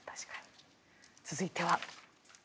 続いては。